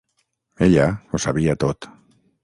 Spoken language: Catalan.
Ella ho sabia tot.